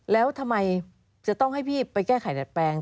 แล้วทำไมจะต้องให้พี่ไปแก้ไขดัดแปลง